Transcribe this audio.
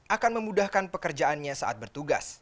akan memudahkan pekerjaannya saat bertugas